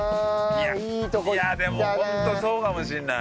いやいやでもホントそうかもしれない。